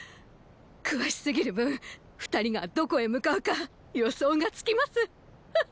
詳しすぎる分二人がどこへ向かうか予想がつきますフフ。